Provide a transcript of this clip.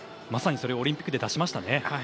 まさにそれをオリンピックで出しましたね。